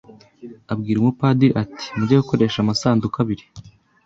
abwira umupadiri ati Mujye gukoresha amasanduku abiri